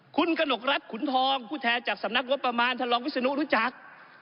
คุณกนกรัฐขุนทองผู้แทนจากสำนักงบประมาณท่านรองวิศนุรู้จัก